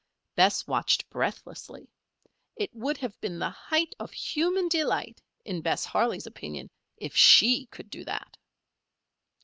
Bess watched breathlessly. It would have been the height of human delight, in Bess Harley's opinion, if she could do that.